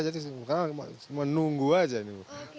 jadi sekarang menunggu aja ini